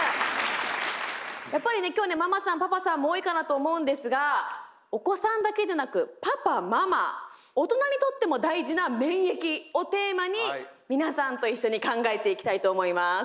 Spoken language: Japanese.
やっぱりね今日ねママさんパパさんも多いかなと思うんですがお子さんだけでなくパパママ大人にとっても大事な免疫をテーマに皆さんと一緒に考えていきたいと思います。